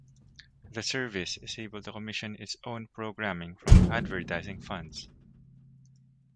The Service is able to commission its own programming from advertising funds.